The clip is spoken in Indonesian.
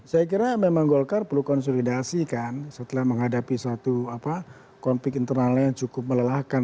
saya kira memang golkar perlu konsolidasikan setelah menghadapi satu konflik internal yang cukup melelahkan